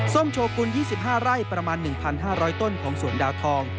ส้มโชกุล๒๕ไร่ประมาณ๑๕๐๐ต้นของสวนดาวทอง